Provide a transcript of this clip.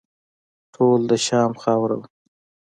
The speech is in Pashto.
ټول د شام خاوره وه.